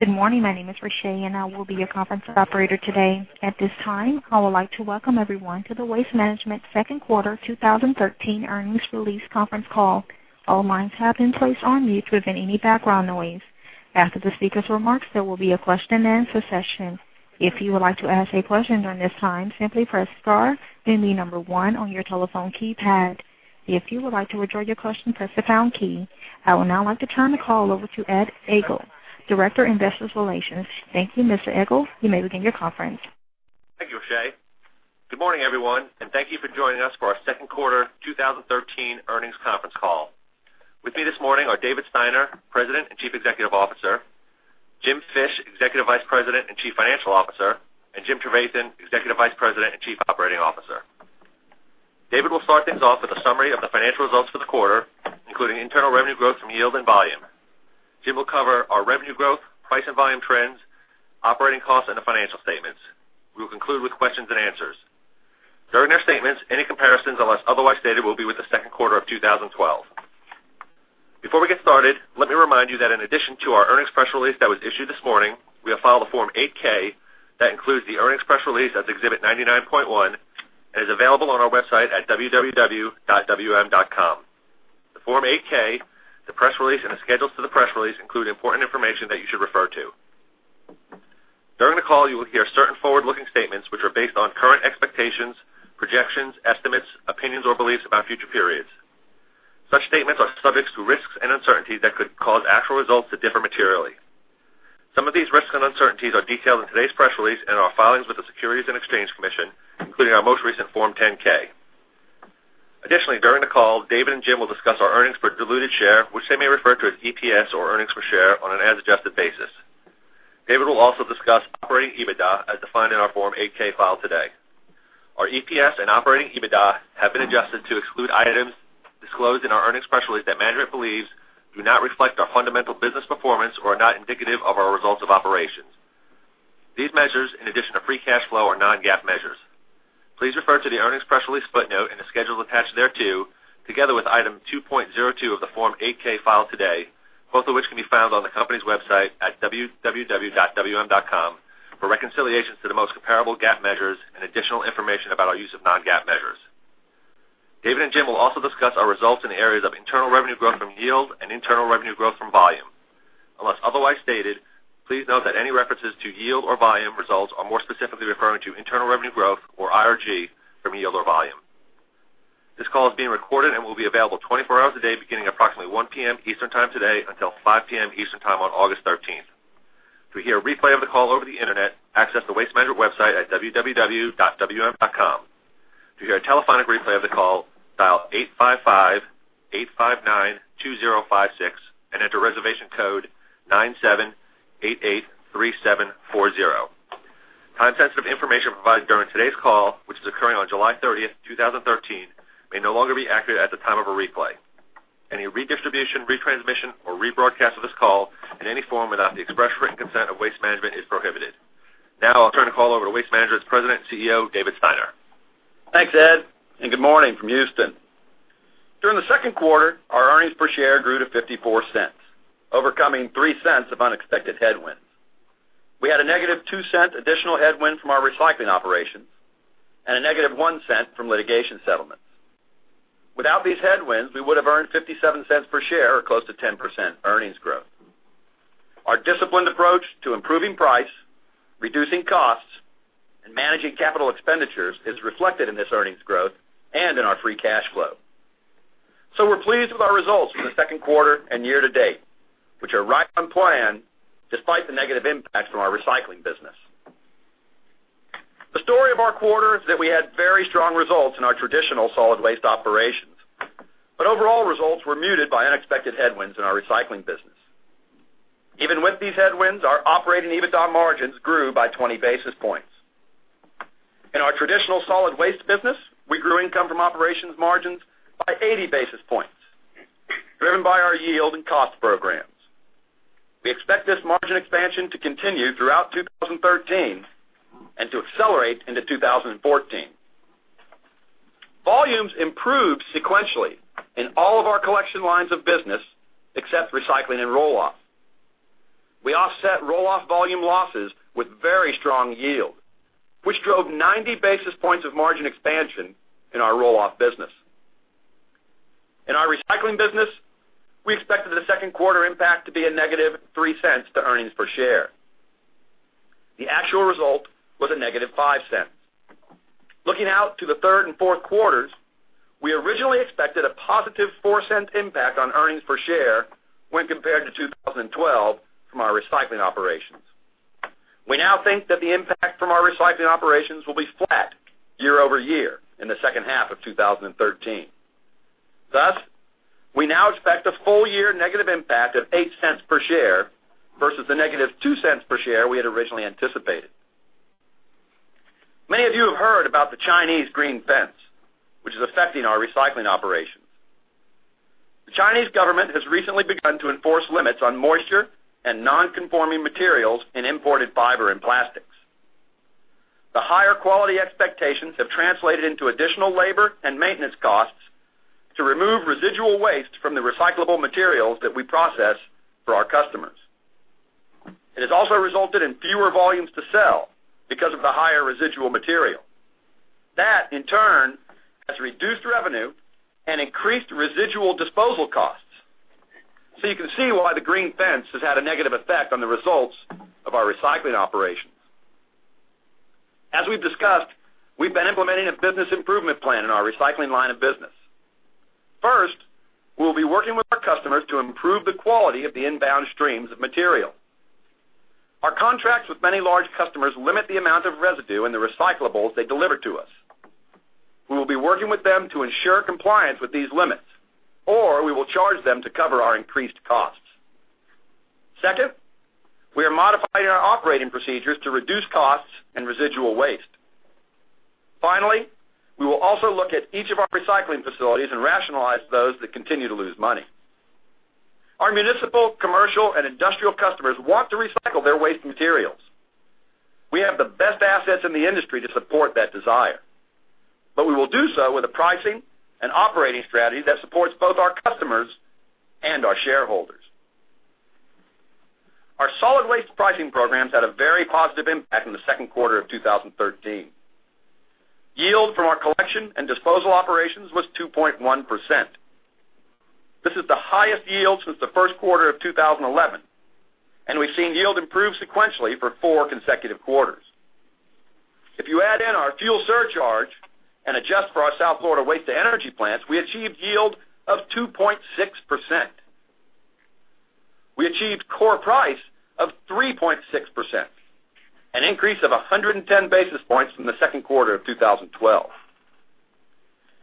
Good morning. My name is Richay, and I will be your conference operator today. At this time, I would like to welcome everyone to the Waste Management second quarter 2013 earnings release conference call. All lines have been placed on mute to prevent any background noise. After the speakers' remarks, there will be a question and answer session. If you would like to ask a question during this time, simply press star, then the number one on your telephone keypad. If you would like to withdraw your question, press the pound key. I would now like to turn the call over to Ed Egl, Director, Investor Relations. Thank you, Mr. Egl. You may begin your conference. Thank you, Richay. Good morning, everyone, and thank you for joining us for our second quarter 2013 earnings conference call. With me this morning are David Steiner, President and Chief Executive Officer, Jim Fish, Executive Vice President and Chief Financial Officer, and Jim Trevathan, Executive Vice President and Chief Operating Officer. David will start things off with a summary of the financial results for the quarter, including internal revenue growth from yield and volume. Jim will cover our revenue growth, price and volume trends, operating costs, and the financial statements. We will conclude with questions and answers. During their statements, any comparisons, unless otherwise stated, will be with the second quarter of 2012. Before we get started, let me remind you that in addition to our earnings press release that was issued this morning, we have filed a Form 8-K that includes the earnings press release as Exhibit 99.1 and is available on our website at www.wm.com. The Form 8-K, the press release, and the schedules to the press release include important information that you should refer to. During the call, you will hear certain forward-looking statements, which are based on current expectations, projections, estimates, opinions, or beliefs about future periods. Such statements are subject to risks and uncertainties that could cause actual results to differ materially. Some of these risks and uncertainties are detailed in today's press release and our filings with the Securities and Exchange Commission, including our most recent Form 10-K. Additionally, during the call, David and Jim will discuss our earnings per diluted share, which they may refer to as EPS or earnings per share on an as-adjusted basis. David will also discuss operating EBITDA as defined in our Form 8-K filed today. Our EPS and operating EBITDA have been adjusted to exclude items disclosed in our earnings press release that management believes do not reflect our fundamental business performance or are not indicative of our results of operations. These measures, in addition to free cash flow, are non-GAAP measures. Please refer to the earnings press release footnote and the schedules attached thereto, together with Item 2.02 of the Form 8-K filed today, both of which can be found on the company's website at www.wm.com, for reconciliations to the most comparable GAAP measures and additional information about our use of non-GAAP measures. David and Jim will also discuss our results in the areas of internal revenue growth from yield and internal revenue growth from volume. Unless otherwise stated, please note that any references to yield or volume results are more specifically referring to internal revenue growth, or IRG, from yield or volume. This call is being recorded and will be available 24 hours a day, beginning approximately 1:00 P.M. Eastern Time today until 5:00 P.M. Eastern Time on August 13th. To hear a replay of the call over the Internet, access the Waste Management website at www.wm.com. To hear a telephonic replay of the call, dial 855-859-2056 and enter reservation code 97883740. Time-sensitive information provided during today's call, which is occurring on July 30th, 2013, may no longer be accurate at the time of a replay. Any redistribution, retransmission, or rebroadcast of this call in any form without the express written consent of Waste Management is prohibited. I'll turn the call over to Waste Management's President and CEO, David Steiner. Thanks, Ed, good morning from Houston. During the second quarter, our earnings per share grew to $0.54, overcoming $0.03 of unexpected headwinds. We had a negative $0.02 additional headwind from our recycling operations and a negative $0.01 from litigation settlements. Without these headwinds, we would have earned $0.57 per share or close to 10% earnings growth. Our disciplined approach to improving price, reducing costs, and managing capital expenditures is reflected in this earnings growth and in our free cash flow. We're pleased with our results for the second quarter and year to date, which are right on plan despite the negative impacts from our recycling business. The story of our quarter is that we had very strong results in our traditional solid waste operations, overall results were muted by unexpected headwinds in our recycling business. Even with these headwinds, our operating EBITDA margins grew by 20 basis points. In our traditional solid waste business, we grew income from operations margins by 80 basis points, driven by our yield and cost programs. We expect this margin expansion to continue throughout 2013 and to accelerate into 2014. Volumes improved sequentially in all of our collection lines of business except recycling and roll-off. We offset roll-off volume losses with very strong yield, which drove 90 basis points of margin expansion in our roll-off business. In our recycling business, we expected the second quarter impact to be a negative $0.03 to earnings per share. The actual result was a negative $0.05. Looking out to the third and fourth quarters, we originally expected a positive $0.04 impact on earnings per share when compared to 2012 from our recycling operations. We now think that the impact from our recycling operations will be flat year-over-year in the second half of 2013. Thus, we now expect a full-year negative impact of $0.08 per share versus the negative $0.02 per share we had originally anticipated. Many of you have heard about the Chinese Green Fence, which is affecting our recycling operations. The Chinese government has recently begun to enforce limits on moisture and non-conforming materials in imported fiber and plastics. The higher quality expectations have translated into additional labor and maintenance costs to remove residual waste from the recyclable materials that we process for our customers. It has also resulted in fewer volumes to sell because of the higher residual material. That, in turn, has reduced revenue and increased residual disposal costs. You can see why the Green Fence has had a negative effect on the results of our recycling operations. As we've discussed, we've been implementing a business improvement plan in our recycling line of business. First, we'll be working with our customers to improve the quality of the inbound streams of material. Our contracts with many large customers limit the amount of residue in the recyclables they deliver to us. We will be working with them to ensure compliance with these limits, or we will charge them to cover our increased costs. Second, we are modifying our operating procedures to reduce costs and residual waste. Finally, we will also look at each of our recycling facilities and rationalize those that continue to lose money. Our municipal, commercial, and industrial customers want to recycle their waste materials. We have the best assets in the industry to support that desire. We will do so with a pricing and operating strategy that supports both our customers and our shareholders. Our solid waste pricing programs had a very positive impact in the second quarter of 2013. Yield from our collection and disposal operations was 2.1%. This is the highest yield since the first quarter of 2011, and we've seen yield improve sequentially for four consecutive quarters. If you add in our fuel surcharge and adjust for our South Florida waste-to-energy plants, we achieved yield of 2.6%. We achieved core price of 3.6%, an increase of 110 basis points from the second quarter of 2012.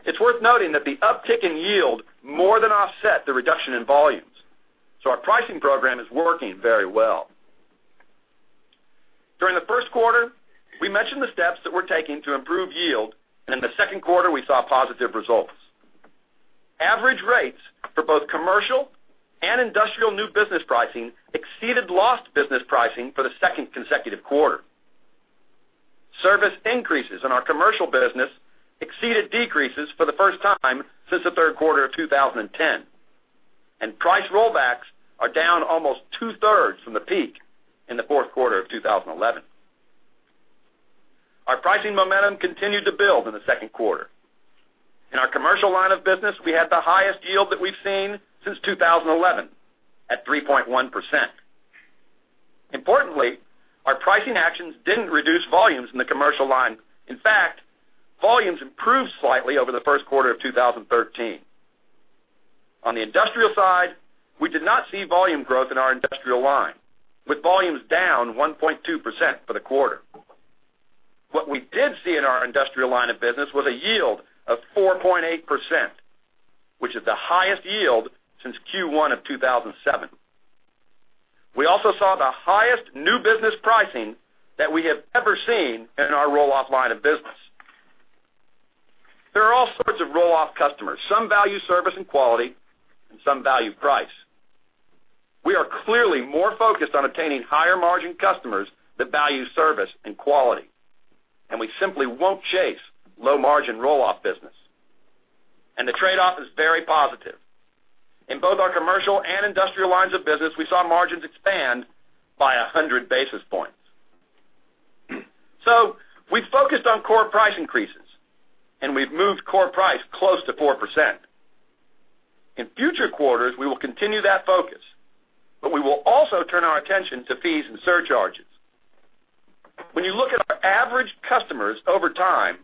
It's worth noting that the uptick in yield more than offset the reduction in volumes. Our pricing program is working very well. During the first quarter, we mentioned the steps that we're taking to improve yield, and in the second quarter, we saw positive results. Average rates for both commercial and industrial new business pricing exceeded lost business pricing for the second consecutive quarter. Service increases in our commercial business exceeded decreases for the first time since the third quarter of 2010. Price rollbacks are down almost two-thirds from the peak in the fourth quarter of 2011. Our pricing momentum continued to build in the second quarter. In our commercial line of business, we had the highest yield that we've seen since 2011, at 3.1%. Importantly, our pricing actions didn't reduce volumes in the commercial line. In fact, volumes improved slightly over the first quarter of 2013. On the industrial side, we did not see volume growth in our industrial line, with volumes down 1.2% for the quarter. What we did see in our industrial line of business was a yield of 4.8%, which is the highest yield since Q1 of 2007. We also saw the highest new business pricing that we have ever seen in our roll-off line of business. There are all sorts of roll-off customers. Some value service and quality, and some value price. We are clearly more focused on obtaining higher-margin customers that value service and quality, and we simply won't chase low-margin roll-off business. The trade-off is very positive. In both our commercial and industrial lines of business, we saw margins expand by 100 basis points. We've focused on core price increases, and we've moved core price close to 4%. In future quarters, we will continue that focus, but we will also turn our attention to fees and surcharges. When you look at our average customers over time,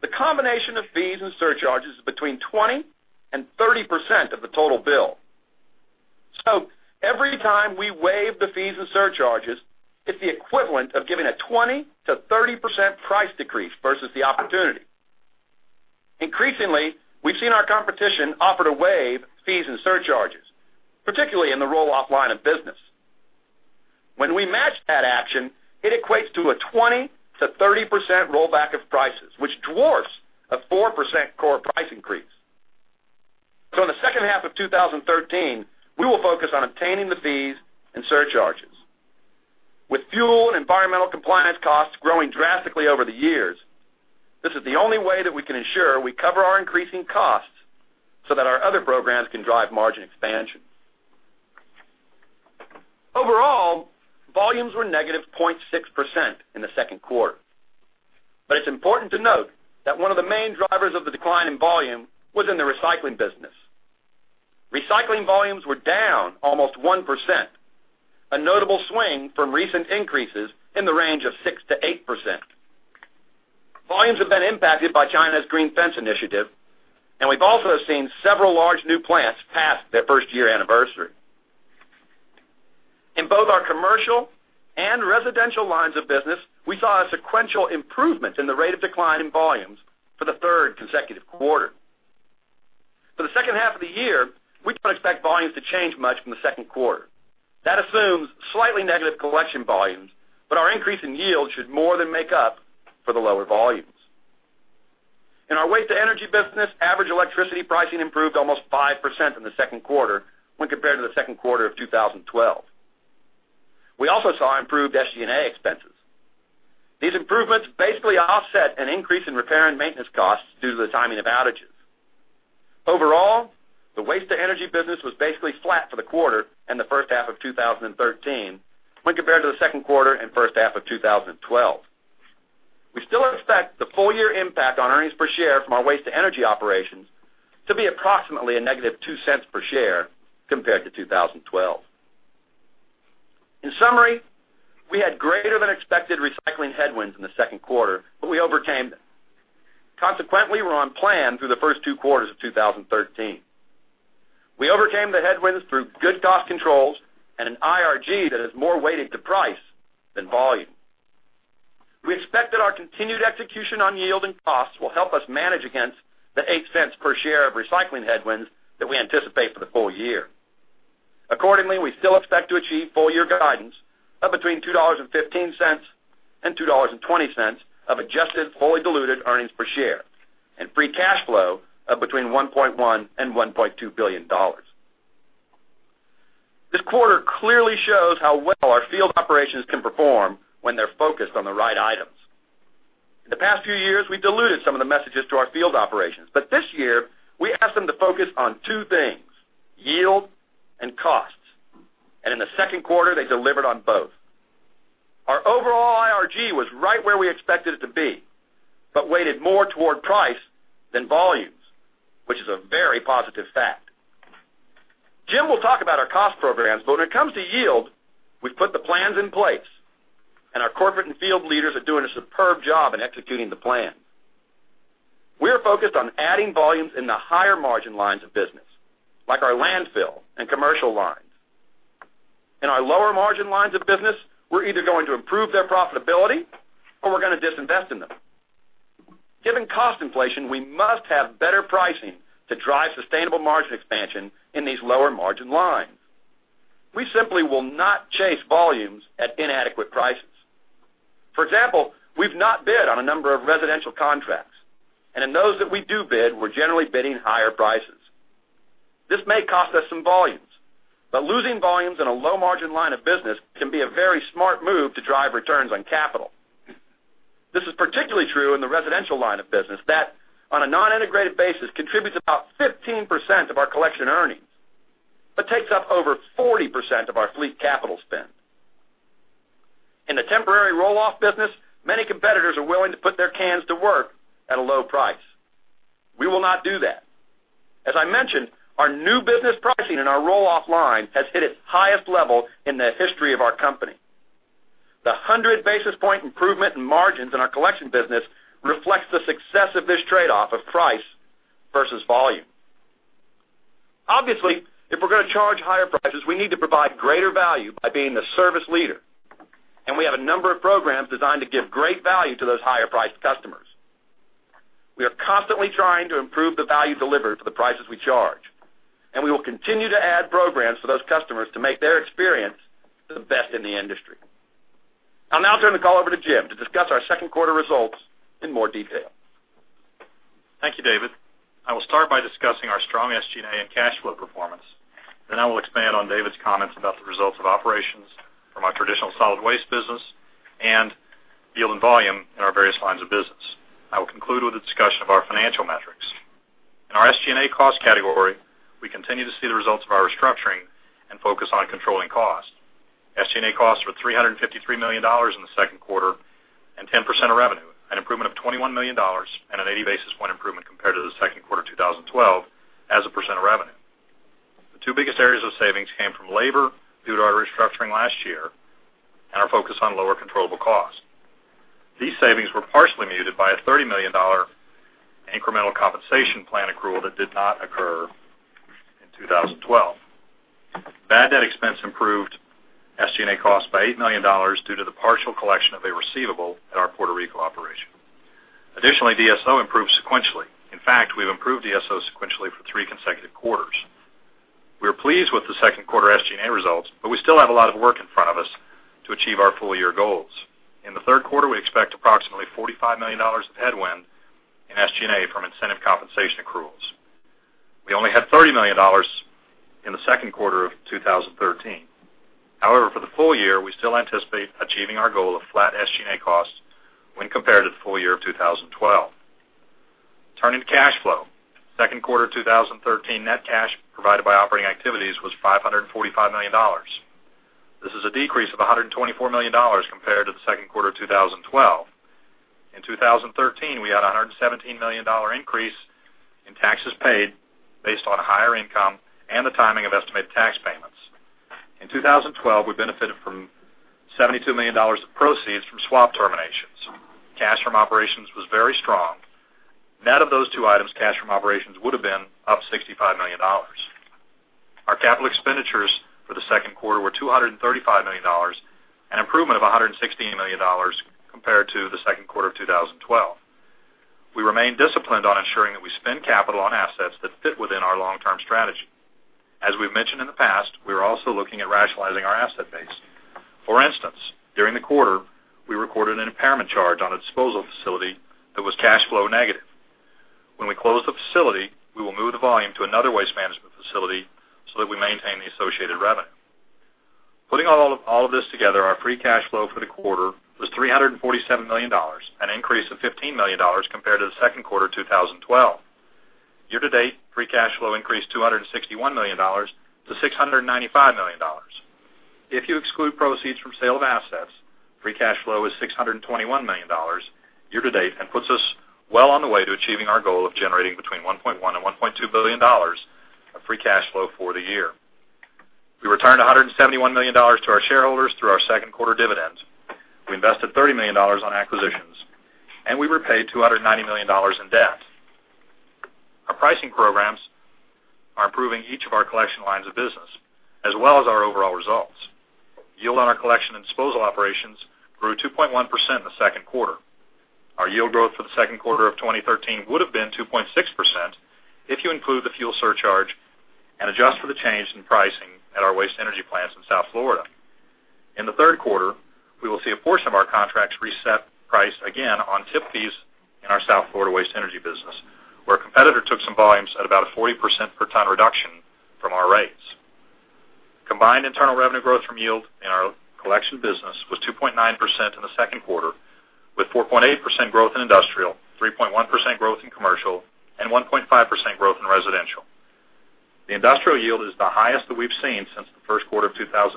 the combination of fees and surcharges is between 20%-30% of the total bill. Every time we waive the fees and surcharges, it's the equivalent of giving a 20%-30% price decrease versus the opportunity. Increasingly, we've seen our competition offer to waive fees and surcharges, particularly in the roll-off line of business. When we match that action, it equates to a 20%-30% rollback of prices, which dwarfs a 4% core price increase. In the second half of 2013, we will focus on obtaining the fees and surcharges. With fuel and environmental compliance costs growing drastically over the years, this is the only way that we can ensure we cover our increasing costs so that our other programs can drive margin expansion. Overall, volumes were negative 0.6% in the second quarter. It's important to note that one of the main drivers of the decline in volume was in the recycling business. Recycling volumes were down almost 1%, a notable swing from recent increases in the range of 6%-8%. Volumes have been impacted by China's Green Fence initiative, and we've also seen several large new plants pass their first-year anniversary. In both our commercial and residential lines of business, we saw a sequential improvement in the rate of decline in volumes for the third consecutive quarter. For the second half of the year, we don't expect volumes to change much from the second quarter. That assumes slightly negative collection volumes, but our increase in yield should more than make up for the lower volumes. In our waste-to-energy business, average electricity pricing improved almost 5% in the second quarter when compared to the second quarter of 2012. We also saw improved SG&A expenses. These improvements basically offset an increase in repair and maintenance costs due to the timing of outages. Overall, the waste-to-energy business was basically flat for the quarter and the first half of 2013 when compared to the second quarter and first half of 2012. We still expect the full year impact on earnings per share from our waste-to-energy operations to be approximately a -$0.02 per share compared to 2012. In summary, we had greater than expected recycling headwinds in the second quarter, but we overcame them. Consequently, we're on plan through the first two quarters of 2013. We overcame the headwinds through good cost controls and an IRG that is more weighted to price than volume. We expect that our continued execution on yield and costs will help us manage against the $0.08 per share of recycling headwinds that we anticipate for the full year. Accordingly, we still expect to achieve full year guidance of between $2.15 and $2.20 of adjusted fully diluted earnings per share, and free cash flow of between $1.1 billion and $1.2 billion. This quarter clearly shows how well our field operations can perform when they're focused on the right items. In the past few years, we diluted some of the messages to our field operations. This year, we asked them to focus on two things, yield and costs. In the second quarter, they delivered on both. Our overall IRG was right where we expected it to be, but weighted more toward price than volumes, which is a very positive fact. Jim will talk about our cost programs, but when it comes to yield, we've put the plans in place, and our corporate and field leaders are doing a superb job in executing the plan. We are focused on adding volumes in the higher margin lines of business, like our landfill and commercial lines. In our lower margin lines of business, we're either going to improve their profitability or we're going to disinvest in them. Given cost inflation, we must have better pricing to drive sustainable margin expansion in these lower margin lines. We simply will not chase volumes at inadequate prices. For example, we've not bid on a number of residential contracts. In those that we do bid, we're generally bidding higher prices. This may cost us some volumes, but losing volumes in a low margin line of business can be a very smart move to drive returns on capital. This is particularly true in the residential line of business that, on a non-integrated basis, contributes about 15% of our collection earnings, but takes up over 40% of our fleet capital spend. In the temporary roll-off business, many competitors are willing to put their cans to work at a low price. We will not do that. As I mentioned, our new business pricing in our roll-off line has hit its highest level in the history of our company. The 100 basis point improvement in margins in our collection business reflects the success of this trade-off of price versus volume. Obviously, if we're going to charge higher prices, we need to provide greater value by being the service leader. We have a number of programs designed to give great value to those higher priced customers. We are constantly trying to improve the value delivered for the prices we charge. We will continue to add programs for those customers to make their experience the best in the industry. I'll now turn the call over to Jim to discuss our second quarter results in more detail. Thank you, David. I will start by discussing our strong SG&A and cash flow performance. I will expand on David's comments about the results of operations from our traditional solid waste business and yield and volume in our various lines of business. I will conclude with a discussion of our financial metrics. In our SG&A cost category, we continue to see the results of our restructuring and focus on controlling cost. SG&A costs were $353 million in the second quarter and 10% of revenue, an improvement of $21 million and an 80 basis point improvement compared to the second quarter 2012 as a percent of revenue. The two biggest areas of savings came from labor due to our restructuring last year and our focus on lower controllable costs. These savings were partially muted by a $30 million incremental compensation plan accrual that did not occur in 2012. Bad debt expense improved SG&A costs by $8 million due to the partial collection of a receivable at our Puerto Rico operation. DSO improved sequentially. In fact, we've improved DSO sequentially for three consecutive quarters. We are pleased with the second quarter SG&A results. We still have a lot of work in front of us to achieve our full year goals. In the third quarter, we expect approximately $45 million of headwind in SG&A from incentive compensation accruals. We only had $30 million in the second quarter of 2013. For the full year, we still anticipate achieving our goal of flat SG&A costs when compared to the full year of 2012. Turning to cash flow, second quarter 2013 net cash provided by operating activities was $545 million. This is a decrease of $124 million compared to the second quarter 2012. In 2013, we had $117 million increase in taxes paid based on higher income and the timing of estimated tax payments. In 2012, we benefited from $72 million of proceeds from swap terminations. Cash from operations was very strong. Net of those two items, cash from operations would have been up $65 million. Our capital expenditures for the second quarter were $235 million, an improvement of $116 million compared to the second quarter of 2012. We remain disciplined on ensuring that we spend capital on assets that fit within our long-term strategy. As we've mentioned in the past, we are also looking at rationalizing our asset base. For instance, during the quarter, we recorded an impairment charge on a disposal facility that was cash flow negative. When we close the facility, we will move the volume to another Waste Management facility so that we maintain the associated revenue. Putting all of this together, our free cash flow for the quarter was $347 million, an increase of $15 million compared to the second quarter 2012. Year-to-date, free cash flow increased $261 million to $695 million. If you exclude proceeds from sale of assets, free cash flow is $621 million year-to-date and puts us well on the way to achieving our goal of generating between $1.1 billion and $1.2 billion of free cash flow for the year. We returned $171 million to our shareholders through our second quarter dividends. We invested $30 million on acquisitions, and we repaid $290 million in debt. Our pricing programs are improving each of our collection lines of business, as well as our overall results. Yield on our collection and disposal operations grew 2.1% in the second quarter. Our yield growth for the second quarter of 2013 would have been 2.6% if you include the fuel surcharge and adjust for the change in pricing at our waste energy plants in South Florida. In the third quarter, we will see a portion of our contracts reset price again on tip fees in our South Florida waste energy business, where a competitor took some volumes at about a 40% per ton reduction from our rates. Combined internal revenue growth from yield in our collection business was 2.9% in the second quarter, with 4.8% growth in industrial, 3.1% growth in commercial, and 1.5% growth in residential. The industrial yield is the highest that we've seen since the first quarter of 2007,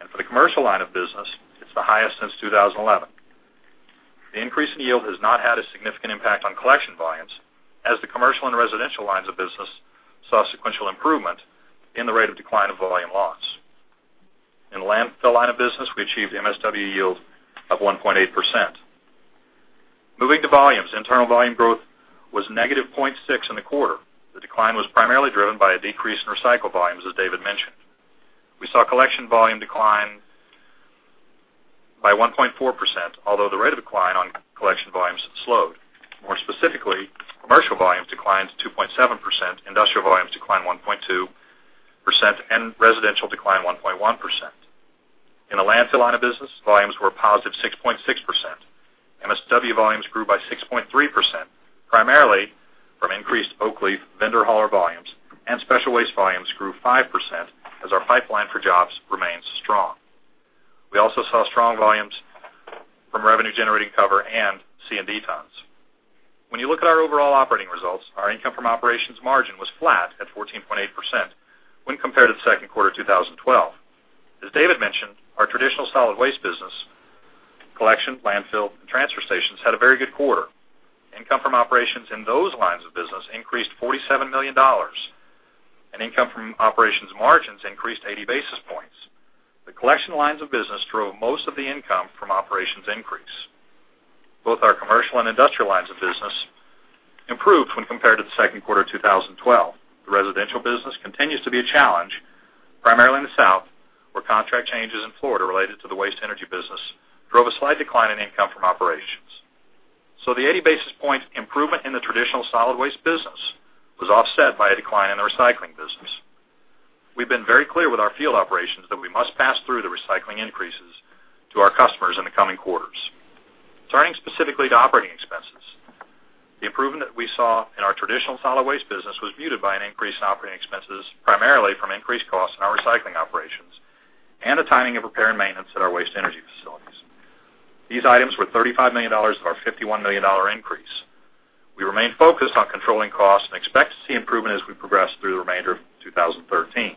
and for the commercial line of business, it's the highest since 2011. The increase in yield has not had a significant impact on collection volumes, as the commercial and residential lines of business saw sequential improvement in the rate of decline of volume loss. In the landfill line of business, we achieved MSW yield of 1.8%. Moving to volumes, internal volume growth was -0.6% in the quarter. The decline was primarily driven by a decrease in recycled volumes, as David mentioned. We saw collection volume decline by 1.4%, although the rate of decline on collection volumes slowed. More specifically, commercial volumes declined 2.7%, industrial volumes declined 1.2%, and residential declined 1.1%. In the landfill line of business, volumes were a positive 6.6%. MSW volumes grew by 6.3%, primarily from increased Oakleaf vendor hauler volumes, and special waste volumes grew 5% as our pipeline for jobs remains strong. We also saw strong volumes from revenue-generating cover and C&D tons. When you look at our overall operating results, our income from operations margin was flat at 14.8% when compared to the second quarter 2012. As David mentioned, our traditional solid waste business, collection, landfill, and transfer stations, had a very good quarter. Income from operations in those lines of business increased $47 million, and income from operations margins increased 80 basis points. The collection lines of business drove most of the income from operations increase. Both our commercial and industrial lines of business improved when compared to the second quarter 2012. The residential business continues to be a challenge, primarily in the south, where contract changes in Florida related to the waste energy business drove a slight decline in income from operations. The 80 basis point improvement in the traditional solid waste business was offset by a decline in the recycling business. We've been very clear with our field operations that we must pass through the recycling increases to our customers in the coming quarters. Turning specifically to operating expenses. The improvement that we saw in our traditional solid waste business was muted by an increase in operating expenses, primarily from increased costs in our recycling operations and the timing of repair and maintenance at our waste energy facilities. These items were $35 million of our $51 million increase. We remain focused on controlling costs and expect to see improvement as we progress through the remainder of 2013.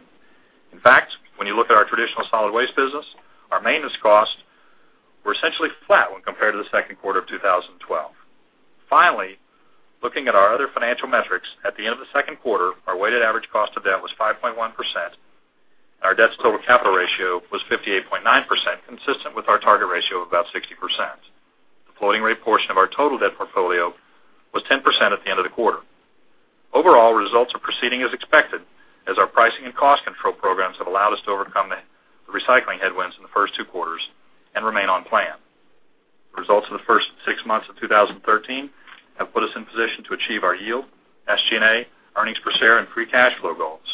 In fact, when you look at our traditional solid waste business, our maintenance costs were essentially flat when compared to the second quarter of 2012. Looking at our other financial metrics, at the end of the second quarter, our weighted average cost of debt was 5.1%, and our debt to total capital ratio was 58.9%, consistent with our target ratio of about 60%. The floating rate portion of our total debt portfolio was 10% at the end of the quarter. Overall results are proceeding as expected, as our pricing and cost control programs have allowed us to overcome the recycling headwinds in the first two quarters and remain on plan. The results of the first six months of 2013 have put us in position to achieve our yield, SG&A, earnings per share, and free cash flow goals.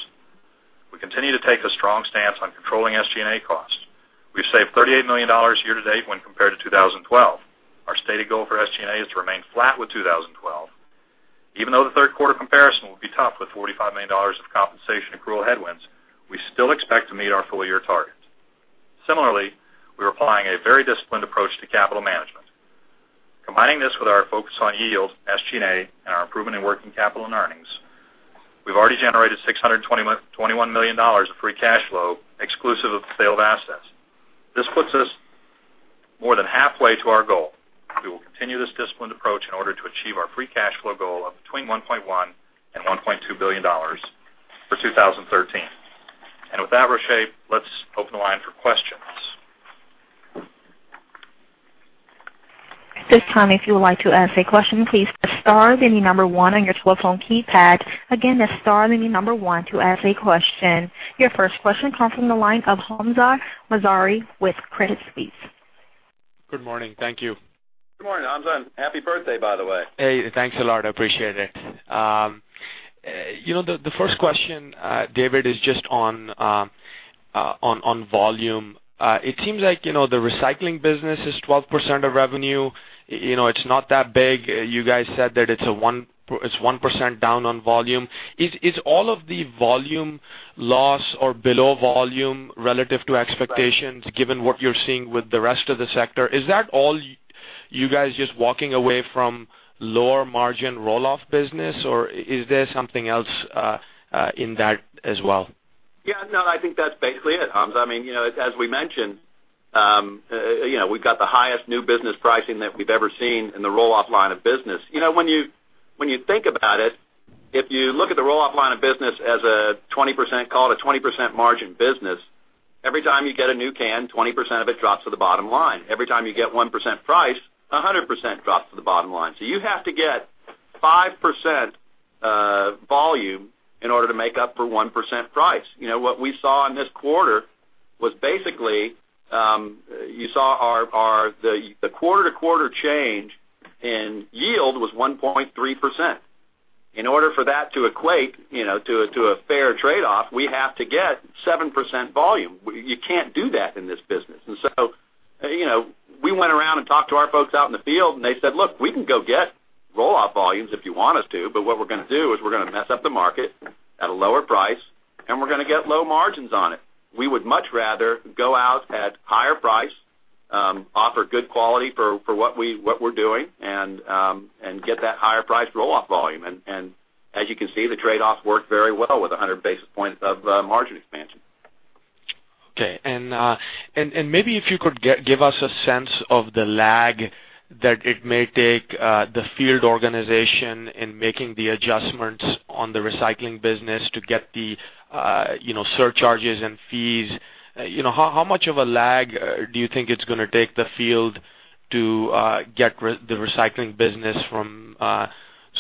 We continue to take a strong stance on controlling SG&A costs. We've saved $38 million year to date when compared to 2012. Our stated goal for SG&A is to remain flat with 2012. Even though the third quarter comparison will be tough with $45 million of compensation accrual headwinds, we still expect to meet our full-year targets. Similarly, we're applying a very disciplined approach to capital management. Combining this with our focus on yield, SG&A, and our improvement in working capital and earnings, we've already generated $621 million of free cash flow, exclusive of the sale of assets. This puts us more than halfway to our goal. We will continue this disciplined approach in order to achieve our free cash flow goal of between $1.1 billion and $1.2 billion for 2013. With that, Richay, let's open the line for questions. At this time, if you would like to ask a question, please press star, then the number one on your telephone keypad. Again, press star, then the number one to ask a question. Your first question comes from the line of Hamzah Mazari with Credit Suisse. Good morning. Thank you. Good morning, Hamzah. Happy birthday, by the way. Hey, thanks a lot. I appreciate it. The first question, David, is just on volume. It seems like the recycling business is 12% of revenue. It's not that big. You guys said that it's 1% down on volume. Is all of the volume loss or below volume relative to expectations, given what you're seeing with the rest of the sector? Is that all you guys just walking away from lower margin roll-off business, or is there something else in that as well? Yeah. No, I think that's basically it, Hamzah. As we mentioned, we've got the highest new business pricing that we've ever seen in the roll-off line of business. When you think about it, if you look at the roll-off line of business as call it a 20% margin business, every time you get a new can, 20% of it drops to the bottom line. Every time you get 1% price, 100% drops to the bottom line. You have to get 5% volume in order to make up for 1% price. What we saw in this quarter was basically, the quarter-to-quarter change in yield was 1.3%. In order for that to equate to a fair trade-off, we have to get 7% volume. You can't do that in this business. We went around and talked to our folks out in the field, and they said, "Look, we can go get roll-off volumes if you want us to, but what we're going to do is we're going to mess up the market at a lower price, and we're going to get low margins on it." We would much rather go out at higher price, offer good quality for what we're doing, and get that higher priced roll-off volume. As you can see, the trade-off worked very well with 100 basis points of margin expansion. Okay. Maybe if you could give us a sense of the lag that it may take the field organization in making the adjustments on the recycling business to get the surcharges and fees. How much of a lag do you think it's going to take the field to get the recycling business from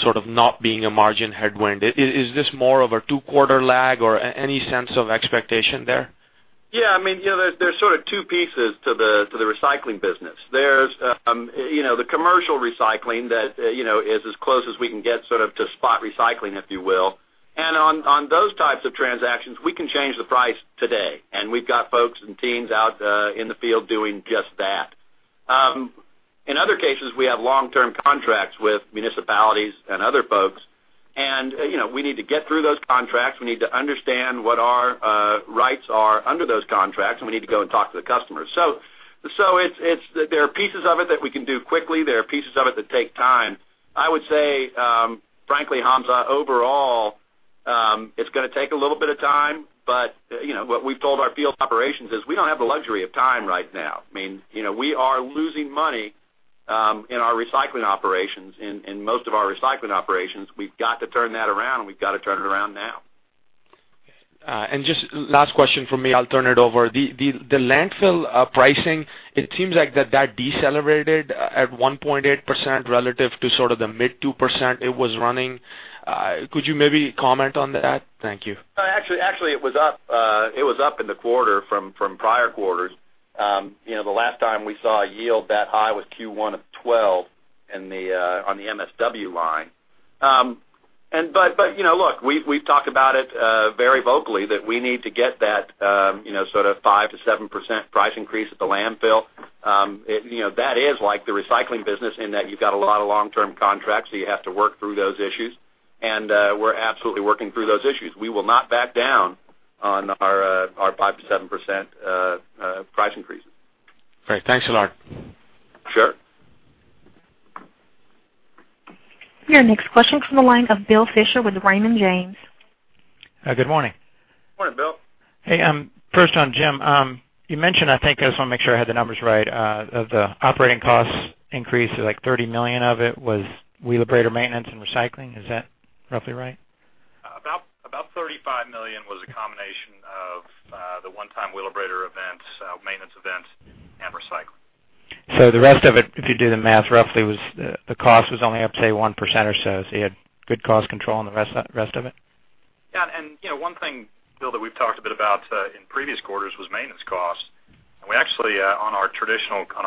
sort of not being a margin headwind? Is this more of a two quarter lag or any sense of expectation there? There's sort of two pieces to the recycling business. There's the commercial recycling that is as close as we can get to spot recycling, if you will. On those types of transactions, we can change the price today, and we've got folks and teams out in the field doing just that. In other cases, we have long-term contracts with municipalities and other folks, and we need to get through those contracts. We need to understand what our rights are under those contracts, and we need to go and talk to the customers. There are pieces of it that we can do quickly. There are pieces of it that take time. I would say, frankly, Hamzah, overall, it's going to take a little bit of time, but what we've told our field operations is we don't have the luxury of time right now. We are losing money in most of our recycling operations. We've got to turn that around, and we've got to turn it around now. Okay. Just last question from me, I'll turn it over. The landfill pricing, it seems like that decelerated at 1.8% relative to sort of the mid 2% it was running. Could you maybe comment on that? Thank you. Actually, it was up in the quarter from prior quarters. The last time we saw a yield that high was Q1 of 2012 on the MSW line. Look, we've talked about it very vocally that we need to get that sort of 5%-7% price increase at the landfill. That is like the recycling business in that you've got a lot of long-term contracts, so you have to work through those issues. We're absolutely working through those issues. We will not back down on our 5%-7% price increases. Great. Thanks a lot. Sure. Your next question comes the line of William Fisher with Raymond James. Good morning. Morning, Bill. Hey, first one, Jim, you mentioned, I think, I just want to make sure I have the numbers right, of the operating costs increase of like $30 million of it was Wheelabrator maintenance and recycling. Is that roughly right? About $35 million was a combination of the one-time Wheelabrator events, maintenance events, and recycling. The rest of it, if you do the math roughly, the cost was only up, say 1% or so. You had good cost control on the rest of it? One thing, Bill, that we've talked a bit about in previous quarters was maintenance costs. We actually, on our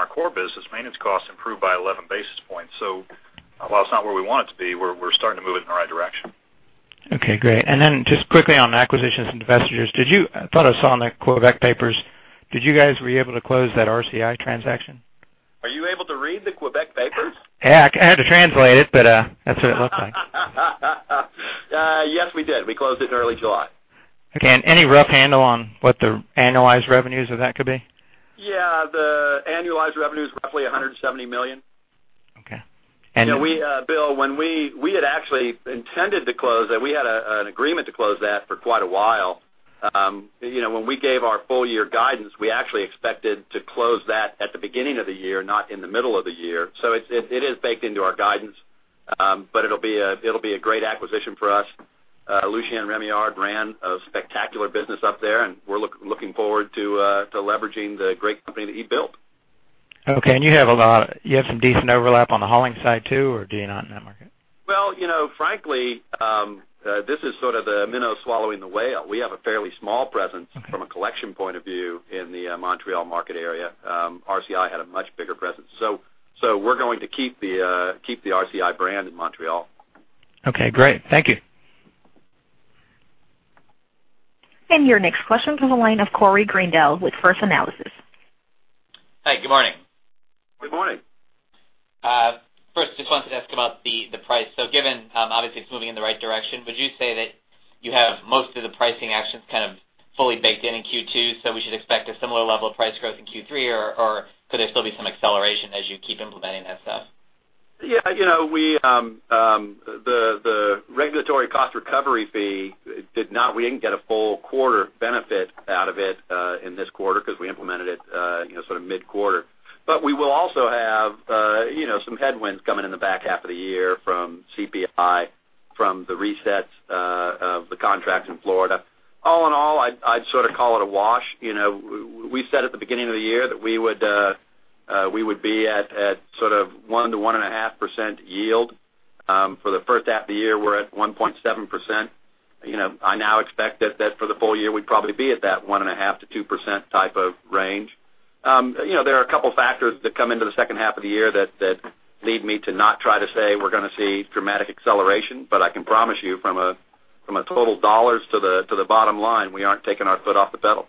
core business, maintenance costs improved by 11 basis points. While it's not where we want it to be, we're starting to move it in the right direction. Okay, great. Just quickly on acquisitions and divestitures. I thought I saw in the Quebec papers, did you guys, were you able to close that RCI transaction? Are you able to read the Quebec papers? Yeah, I had to translate it, but that's what it looked like. Yes, we did. We closed it in early July. Okay. Any rough handle on what the annualized revenues of that could be? Yeah, the annualized revenue is roughly $170 million. Okay. Bill, we had actually intended to close that. We had an agreement to close that for quite a while. When we gave our full year guidance, we actually expected to close that at the beginning of the year, not in the middle of the year. It is baked into our guidance. It'll be a great acquisition for us. Lucien Rémillard ran a spectacular business up there, and we're looking forward to leveraging the great company that he built. Okay. You have some decent overlap on the hauling side, too, or do you not in that market? Well, frankly, this is sort of the minnow swallowing the whale. We have a fairly small presence from a collection point of view in the Montreal market area. RCI had a much bigger presence. We're going to keep the RCI brand in Montreal. Okay, great. Thank you. Your next question comes in the line of Corey Greendale with First Analysis. Hi, good morning. Good morning. First, just wanted to ask about the price. Given, obviously it's moving in the right direction, would you say that you have most of the pricing actions kind of fully baked in in Q2, so we should expect a similar level of price growth in Q3, or could there still be some acceleration as you keep implementing that stuff? The regulatory cost recovery fee, we didn't get a full quarter benefit out of it in this quarter because we implemented it sort of mid-quarter. We will also have some headwinds coming in the back half of the year from CPI, from the resets of the contracts in Florida. All in all, I'd sort of call it a wash. We said at the beginning of the year that we would be at sort of 1%-1.5% yield. For the first half of the year, we're at 1.7%. I now expect that for the full year, we'd probably be at that 1.5%-2% type of range. There are a couple factors that come into the second half of the year that lead me to not try to say we're going to see dramatic acceleration. I can promise you from a total dollars to the bottom line, we aren't taking our foot off the pedal.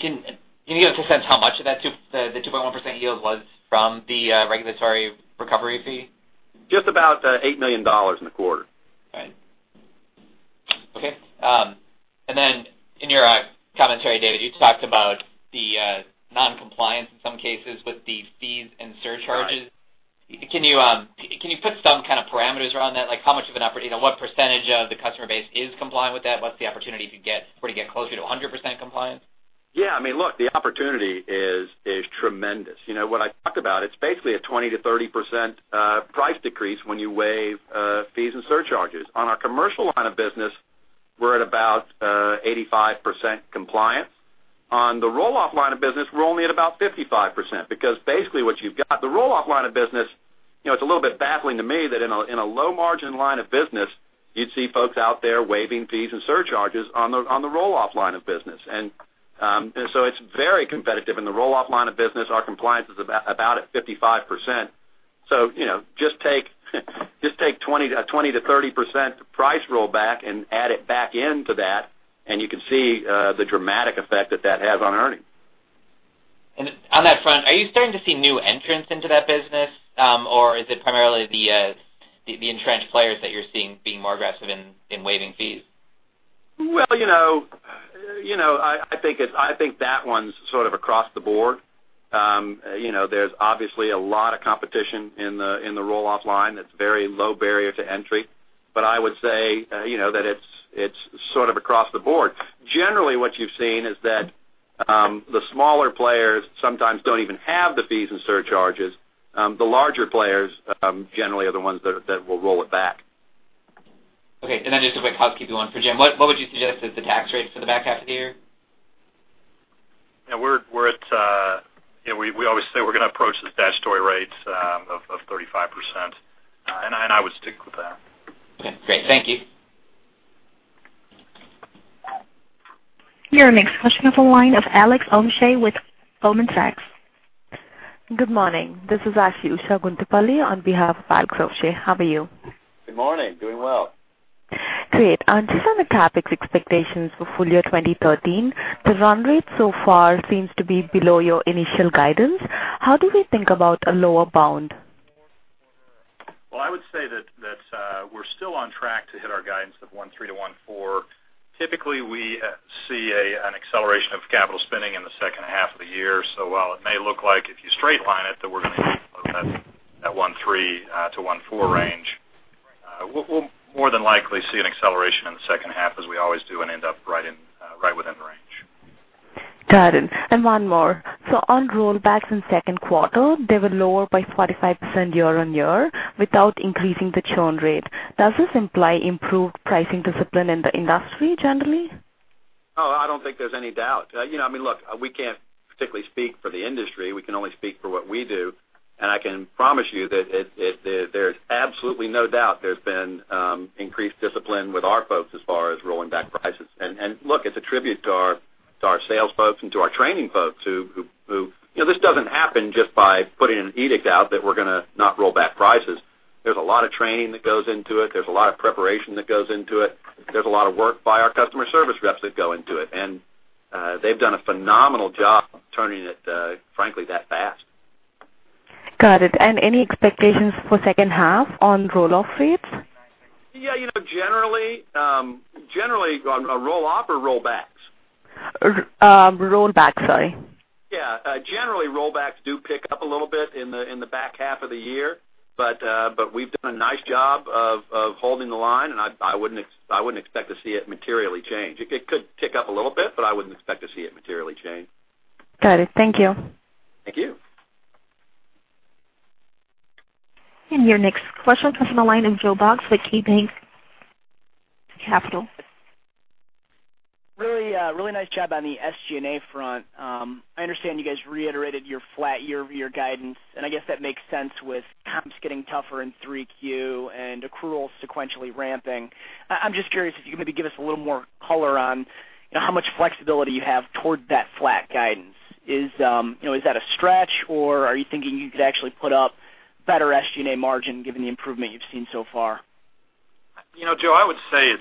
Can you give a sense how much of that 2.1% yield was from the regulatory recovery fee? Just about $8 million in the quarter. Right. Okay. Then in your commentary, David, you talked about the non-compliance in some cases with the fees and surcharges. Right. Can you put some kind of parameters around that? Like what percentage of the customer base is compliant with that? What's the opportunity to get closer to 100% compliance? Yeah. Look, the opportunity is tremendous. What I talked about, it's basically a 20%-30% price decrease when you waive fees and surcharges. On our commercial line of business, we're at about 85% compliance. On the roll-off line of business, we're only at about 55%, because basically what you've got, the roll-off line of business, it's a little bit baffling to me that in a low margin line of business, you'd see folks out there waiving fees and surcharges on the roll-off line of business. So it's very competitive. In the roll-off line of business, our compliance is about at 55%. So just take 20%-30% price rollback and add it back into that, and you can see the dramatic effect that that has on earnings. On that front, are you starting to see new entrants into that business? Is it primarily the entrenched players that you're seeing being more aggressive in waiving fees? Well, I think that one's sort of across the board. There's obviously a lot of competition in the roll-off line that's very low barrier to entry. I would say that it's sort of across the board. Generally, what you've seen is that the smaller players sometimes don't even have the fees and surcharges. The larger players, generally, are the ones that will roll it back. Okay, just a quick housekeeping one for Jim. What would you suggest is the tax rate for the back half of the year? Yeah, we always say we're going to approach the statutory rates of 35%. I would stick with that. Okay, great. Thank you. Your next question on the line of Alex Ovshey with Goldman Sachs. Good morning. This is Ashutosh Guntupalli on behalf of Alex Ovshey. How are you? Good morning. Doing well. Great. On some of the topics, expectations for full year 2013, the run rate so far seems to be below your initial guidance. How do we think about a lower bound? Well, I would say that we're still on track to hit our guidance of $1.3 billion-$1.4 billion. Typically, we see an acceleration of capital spending in the second half of the year. While it may look like, if you straight line it, that we're going to be close at $1.3 billion-$1.4 billion range, we'll more than likely see an acceleration in the second half as we always do and end up right within range. Got it. One more. On rollbacks in second quarter, they were lower by 45% year-on-year without increasing the churn rate. Does this imply improved pricing discipline in the industry generally? I don't think there's any doubt. Look, we can't particularly speak for the industry. We can only speak for what we do. I can promise you that there's absolutely no doubt there's been increased discipline with our folks as far as rolling back prices. Look, it's a tribute to our sales folks and to our training folks. This doesn't happen just by putting an edict out that we're going to not roll back prices. There's a lot of training that goes into it. There's a lot of preparation that goes into it. There's a lot of work by our customer service reps that go into it, and they've done a phenomenal job turning it, frankly, that fast. Got it. Any expectations for second half on roll-off rates? Yeah. On roll-off or rollbacks? Rollbacks, sorry. Yeah. Generally, rollbacks do pick up a little bit in the back half of the year. We've done a nice job of holding the line, and I wouldn't expect to see it materially change. It could tick up a little bit, but I wouldn't expect to see it materially change. Got it. Thank you. Thank you. Your next question comes from the line of Joe Box with KeyBanc Capital. Really nice job on the SG&A front. I understand you guys reiterated your flat year-over-year guidance, and I guess that makes sense with comps getting tougher in 3Q and accruals sequentially ramping. I'm just curious if you could maybe give us a little more color on how much flexibility you have towards that flat guidance. Is that a stretch, or are you thinking you could actually put up better SG&A margin given the improvement you've seen so far? Joe, I would say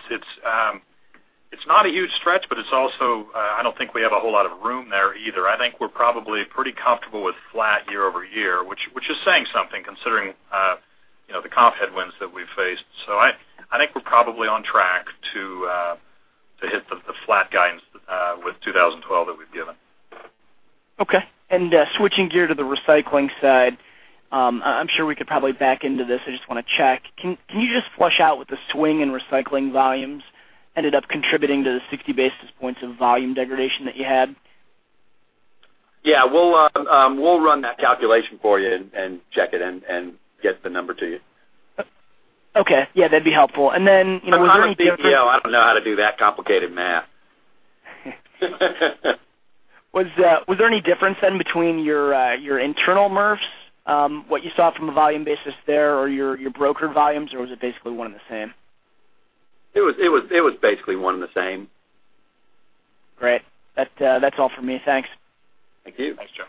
it's not a huge stretch, but it's also, I don't think we have a whole lot of room there either. I think we're probably pretty comfortable with flat year-over-year, which is saying something considering the comp headwinds that we've faced. I think we're probably on track to hit the flat guidance with 2012 that we've given. Okay. Switching gear to the recycling side, I'm sure we could probably back into this. I just want to check. Can you just flush out with the swing in recycling volumes ended up contributing to the 60 basis points of volume degradation that you had? Yeah. We'll run that calculation for you and check it and get the number to you. Okay. Yeah, that'd be helpful. I'm not a CPA, I don't know how to do that complicated math. Was there any difference then between your internal MRFs, what you saw from a volume basis there or your broker volumes, or was it basically one and the same? It was basically one and the same. Great. That's all for me. Thanks. Thank you. Thanks, Joe.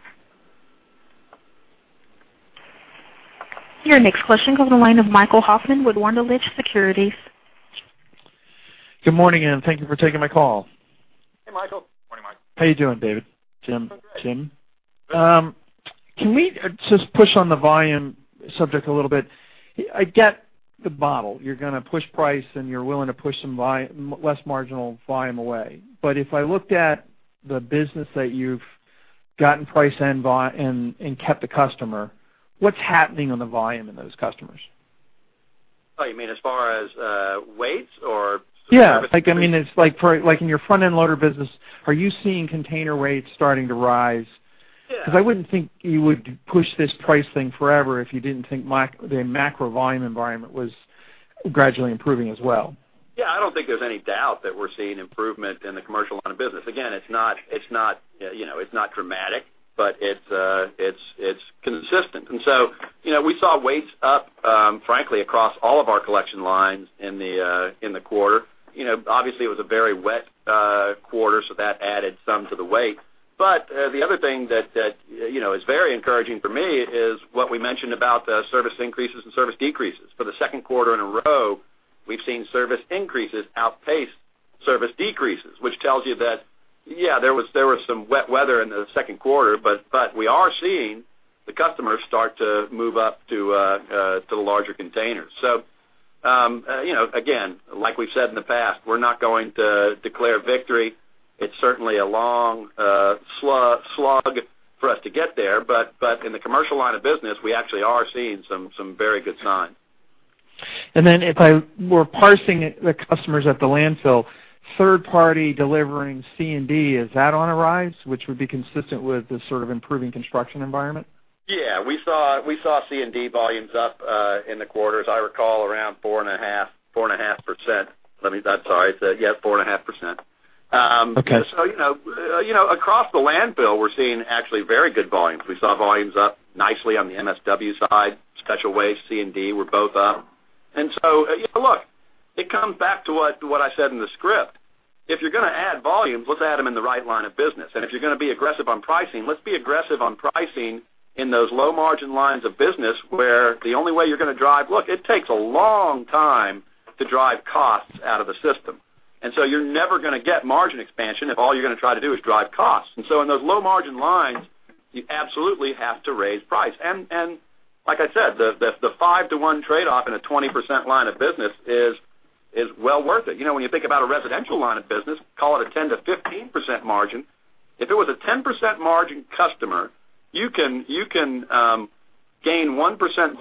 Your next question comes on the line of Michael Hoffman with Wunderlich Securities. Good morning, thank you for taking my call. Hey, Michael. Morning, Mike. How you doing, David? Jim. Great. Can we just push on the volume subject a little bit? I get the model. You're going to push price, and you're willing to push some less marginal volume away. If I looked at the business that you've gotten price and kept the customer, what's happening on the volume in those customers? Oh, you mean as far as weights or service? Yeah. It's like in your front-end loader business, are you seeing container rates starting to rise? Yeah. I wouldn't think you would push this price thing forever if you didn't think the macro volume environment was gradually improving as well. Yeah, I don't think there's any doubt that we're seeing improvement in the commercial line of business. Again, it's not dramatic, but it's consistent. We saw weights up, frankly, across all of our collection lines in the quarter. Obviously, it was a very wet quarter, so that added some to the weight. The other thing that is very encouraging for me is what we mentioned about service increases and service decreases. For the second quarter in a row, we've seen service increases outpace service decreases, which tells you that, yeah, there was some wet weather in the second quarter, but we are seeing the customers start to move up to the larger containers. Again, like we've said in the past, we're not going to declare victory. It's certainly a long slog for us to get there. In the commercial line of business, we actually are seeing some very good signs. If I were parsing the customers at the landfill, third party delivering C&D, is that on a rise, which would be consistent with the sort of improving construction environment? Yeah, we saw C&D volumes up in the quarters. I recall around 4.5%. Sorry. Yeah, 4.5%. Okay. Across the landfill, we're seeing actually very good volumes. We saw volumes up nicely on the MSW side, special waste, C&D were both up. Look, it comes back to what I said in the script. If you're going to add volumes, let's add them in the right line of business. If you're going to be aggressive on pricing, let's be aggressive on pricing in those low margin lines of business where the only way you're going to drive look, it takes a long time to drive costs out of a system. You're never going to get margin expansion if all you're going to try to do is drive costs. In those low margin lines, you absolutely have to raise price. Like I said, the five to one trade-off in a 20% line of business is well worth it. When you think about a residential line of business, call it a 10%-15% margin. If it was a 10% margin customer, you can gain 1%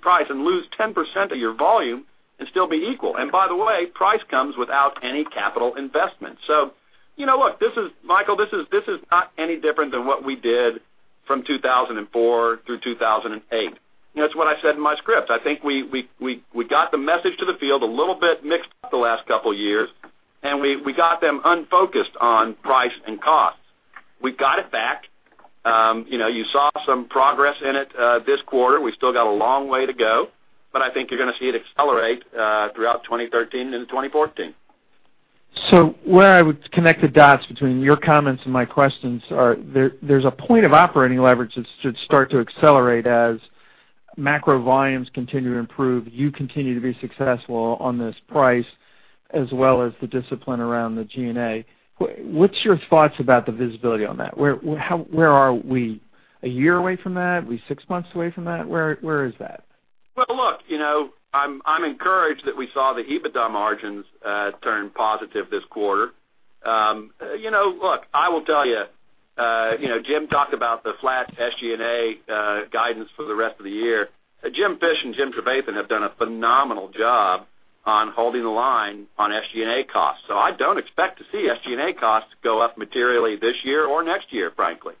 price and lose 10% of your volume and still be equal. By the way, price comes without any capital investment. Look, Michael, this is not any different than what we did from 2004 through 2008. It's what I said in my script. I think we got the message to the field a little bit mixed up the last couple of years, we got them unfocused on price and costs. We got it back. You saw some progress in it this quarter. We still got a long way to go, I think you're going to see it accelerate throughout 2013 and 2014. Where I would connect the dots between your comments and my questions are there's a point of operating leverage that should start to accelerate as macro volumes continue to improve, you continue to be successful on this price, as well as the discipline around the G&A. What's your thoughts about the visibility on that? Where are we, a year away from that? Are we six months away from that? Where is that? Look, I'm encouraged that we saw the EBITDA margins turn positive this quarter. Look, I will tell you, Jim talked about the flat SG&A guidance for the rest of the year. Jim Fish and Jim Trevathan have done a phenomenal job on holding the line on SG&A costs. I don't expect to see SG&A costs go up materially this year or next year, frankly.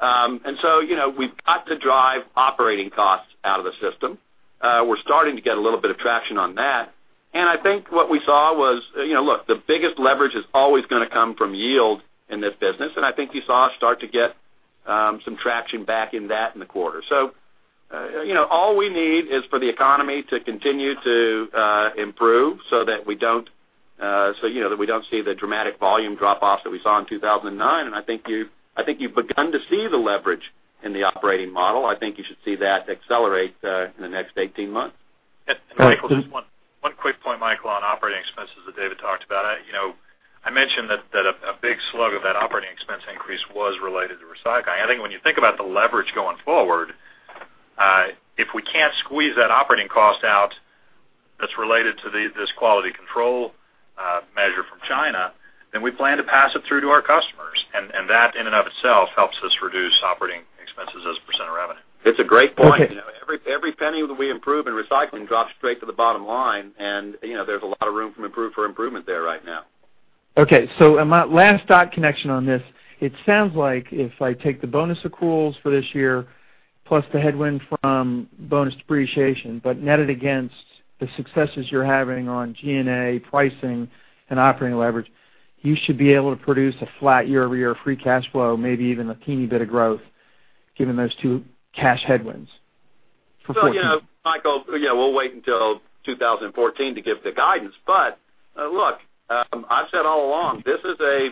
We've got to drive operating costs out of the system. We're starting to get a little bit of traction on that, and I think what we saw was, look, the biggest leverage is always going to come from yield in this business, and I think you saw us start to get some traction back in that in the quarter. All we need is for the economy to continue to improve so that we don't see the dramatic volume drop-offs that we saw in 2009, and I think you've begun to see the leverage in the operating model. I think you should see that accelerate in the next 18 months. Michael, just one quick point, Michael, on operating expenses that David talked about. I mentioned that a big slug of that operating expense increase was related to recycling. I think when you think about the leverage going forward, if we can't squeeze that operating cost out that's related to this quality control measure from China, then we plan to pass it through to our customers. And that, in and of itself, helps us reduce operating expenses as a percent of revenue. It's a great point. Every penny that we improve in recycling drops straight to the bottom line, and there's a lot of room for improvement there right now. Okay, my last dot connection on this, it sounds like if I take the bonus accruals for this year, plus the headwind from bonus depreciation, but netted against the successes you're having on G&A pricing and operating leverage, you should be able to produce a flat year-over-year free cash flow, maybe even a teeny bit of growth, given those two cash headwinds for 2014. Michael, we'll wait until 2014 to give the guidance. Look, I've said all along, this is a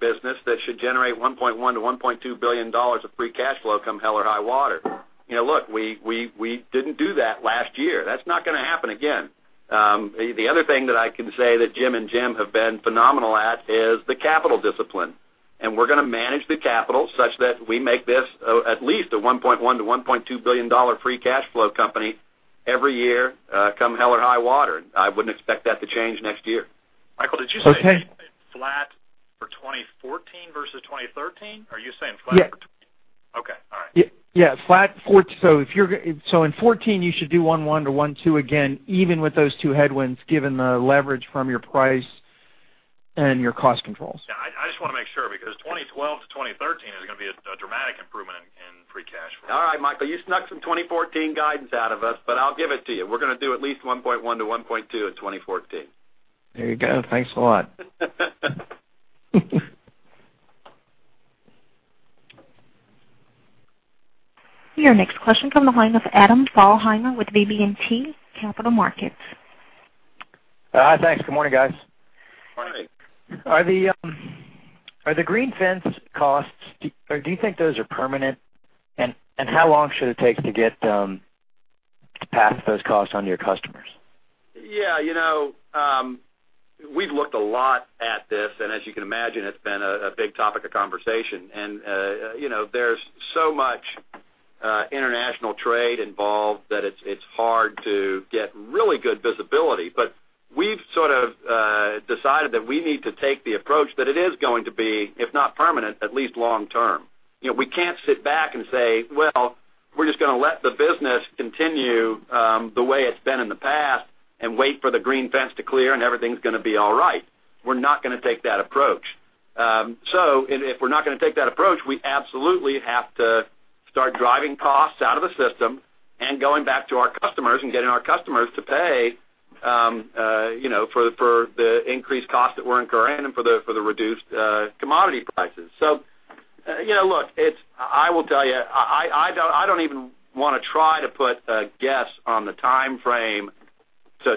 business that should generate $1.1 billion-$1.2 billion of free cash flow come hell or high water. Look, we didn't do that last year. That's not going to happen again. The other thing that I can say that Jim and Jim have been phenomenal at is the capital discipline. We're going to manage the capital such that we make this at least a $1.1 billion-$1.2 billion free cash flow company every year, come hell or high water. I wouldn't expect that to change next year. Michael, did you say flat for 2014 versus 2013? Are you saying flat? Yeah. Okay. All right. Yeah, in 2014, you should do $1.1-$1.2 again, even with those two headwinds, given the leverage from your price and your cost controls. Yeah, I just want to make sure, because 2012-2013 is going to be a dramatic improvement in free cash flow. All right, Michael, you snuck some 2014 guidance out of us, but I'll give it to you. We're going to do at least $1.1-$1.2 in 2014. There you go. Thanks a lot. Your next question comes on the line of Adam Thalhimer with BB&T Capital Markets. Hi, thanks. Good morning, guys. Good morning. Are the Green Fence costs, do you think those are permanent? How long should it take to pass those costs on to your customers? We've looked a lot at this, as you can imagine, it's been a big topic of conversation. There's so much international trade involved that it's hard to get really good visibility. We've sort of decided that we need to take the approach that it is going to be, if not permanent, at least long term. We can't sit back and say, "Well, we're just going to let the business continue the way it's been in the past and wait for the Green Fence to clear and everything's going to be all right." We're not going to take that approach. If we're not going to take that approach, we absolutely have to start driving costs out of the system and going back to our customers and getting our customers to pay for the increased costs that we're incurring and for the reduced commodity prices. I will tell you, I don't even want to try to put a guess on the timeframe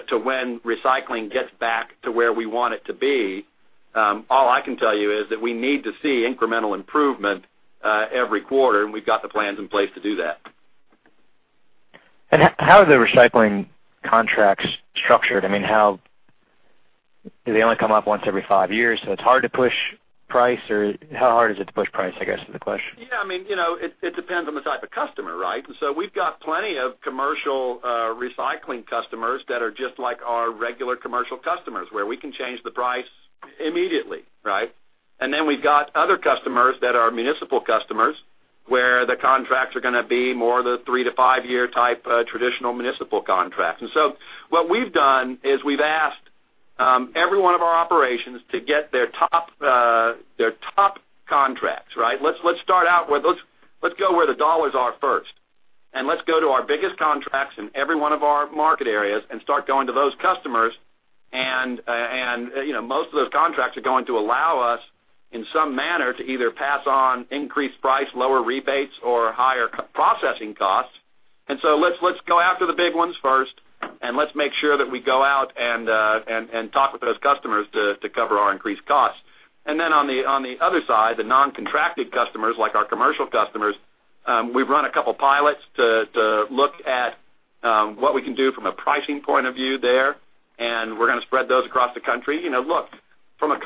to when recycling gets back to where we want it to be. All I can tell you is that we need to see incremental improvement every quarter, and we've got the plans in place to do that. How are the recycling contracts structured? Do they only come up once every five years, so it's hard to push price, or how hard is it to push price, I guess, is the question? Yeah, it depends on the type of customer, right? We've got plenty of commercial recycling customers that are just like our regular commercial customers, where we can change the price immediately, right? We've got other customers that are municipal customers, where the contracts are going to be more the three- to five-year type traditional municipal contracts. What we've done is we've asked every one of our operations to get their top contracts. Let's go where the dollars are first, and let's go to our biggest contracts in every one of our market areas and start going to those customers, and most of those contracts are going to allow us, in some manner, to either pass on increased price, lower rebates, or higher processing costs. Let's go after the big ones first, and let's make sure that we go out and talk with those customers to cover our increased costs. On the other side, the non-contracted customers, like our commercial customers, we've run a couple of pilots to look at what we can do from a pricing point of view there, and we're going to spread those across the country. Look, from a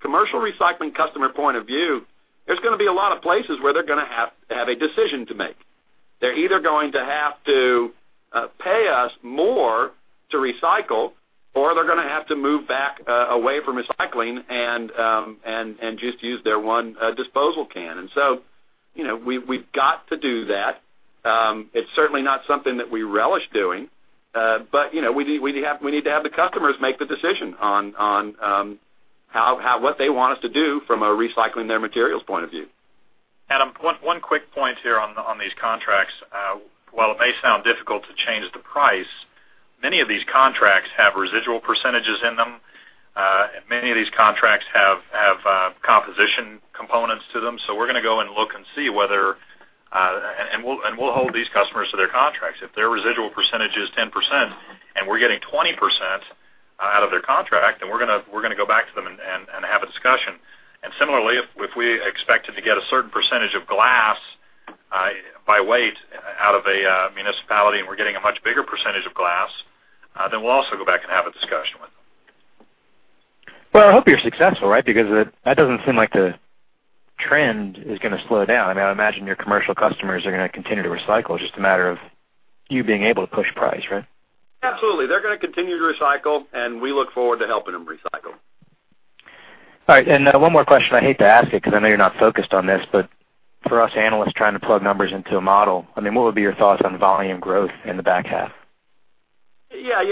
commercial recycling customer point of view, there's going to be a lot of places where they're going to have a decision to make. They're either going to have to pay us more to recycle, or they're going to have to move back away from recycling and just use their one disposal can. We've got to do that. It's certainly not something that we relish doing. We need to have the customers make the decision on what they want us to do from a recycling their materials point of view. Adam, one quick point here on these contracts. While it may sound difficult to change the price, many of these contracts have residual percentages in them. Many of these contracts have composition components to them. We'll hold these customers to their contracts. If their residual percentage is 10% and we're getting 20% out of their contract, then we're going to go back to them and have a discussion. Similarly, if we expected to get a certain percentage of glass by weight out of a municipality, and we're getting a much bigger percentage of glass, then we'll also go back and have a discussion with them. Well, I hope you're successful, right? That doesn't seem like the trend is going to slow down. I imagine your commercial customers are going to continue to recycle. It's just a matter of you being able to push price, right? Absolutely. They're going to continue to recycle, and we look forward to helping them recycle. All right. One more question. I hate to ask it because I know you're not focused on this, but for us analysts trying to plug numbers into a model, what would be your thoughts on volume growth in the back half? Yeah.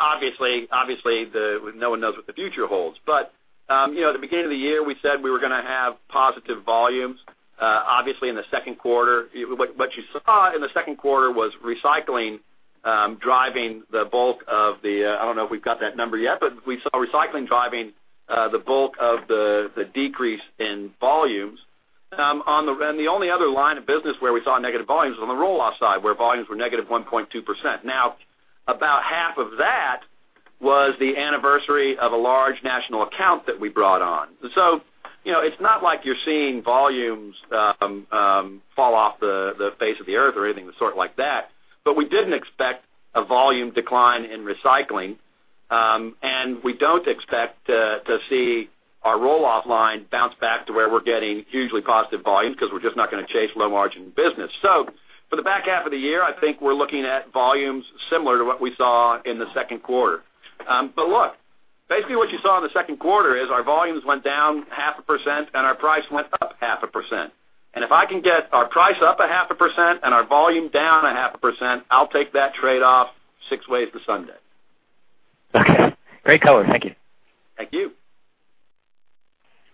Obviously, no one knows what the future holds. At the beginning of the year, we said we were going to have positive volumes. Obviously, in the second quarter, what you saw in the second quarter was recycling driving the bulk of the I don't know if we've got that number yet, but we saw recycling driving the bulk of the decrease in volumes. The only other line of business where we saw negative volumes was on the roll-off side, where volumes were -1.2%. About half of that was the anniversary of a large national account that we brought on. It's not like you're seeing volumes fall off the face of the earth or anything of the sort like that. We didn't expect a volume decline in recycling, and we don't expect to see our roll-off line bounce back to where we're getting hugely positive volumes because we're just not going to chase low-margin business. For the back half of the year, I think we're looking at volumes similar to what we saw in the second quarter. Look, basically what you saw in the second quarter is our volumes went down half a % and our price went up half a %. If I can get our price up a half a % and our volume down a half a %, I'll take that trade-off six ways to Sunday. Okay. Great color. Thank you. Thank you.